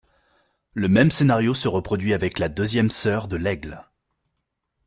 Le même scénario se reproduit avec la deuxième sœur de l'aigle.